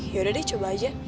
yaudah deh coba aja